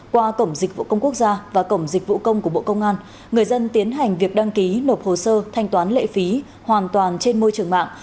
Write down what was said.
qua cổng dịch vụ công quốc gia và cổng dịch vụ công của bộ công an người dân tiến hành việc đăng ký nộp hồ sơ thanh toán lệ phí hoàn toàn trên môi trường mạng